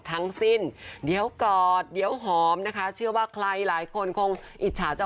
ทั้งสิ้นเดี๋ยวกอดเดี๋ยวหอมนะคะเชื่อว่าใครหลายคนคงอิจฉาเจ้า